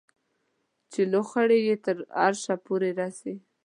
چې لوخړې یې تر عرشه پورې رسي